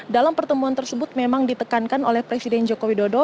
dalam pertemuan tersebut memang ditekankan oleh presiden joko widodo